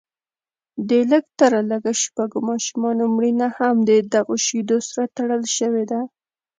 د لږ تر لږه شپږو ماشومانو مړینه هم ددغو شیدو سره تړل شوې ده